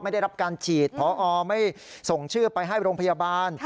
ไม่ได้รับการฉีดพอไม่ส่งชื่อไปให้โรงพยาบาล